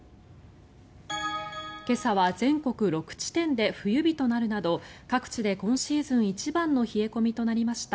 今朝は全国６地点で冬日となるなど各地で今シーズン一番の冷え込みとなりました。